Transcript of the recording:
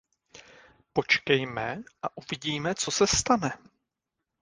Počkejme a uvidíme, co se stane.